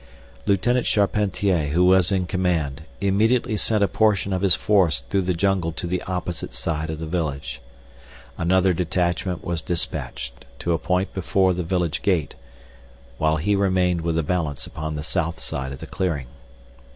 Lieutenant Charpentier, who was in command, immediately sent a portion of his force through the jungle to the opposite side of the village. Another detachment was dispatched to a point before the village gate, while he remained with the balance upon the south side of the clearing.